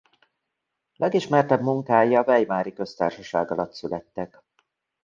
Legismertebb munkái a weimari köztársaság alatt születtek.